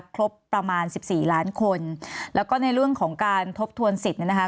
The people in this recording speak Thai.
ครบประมาณสิบสี่ล้านคนแล้วก็ในเรื่องของการทบทวนสิทธิ์เนี่ยนะคะ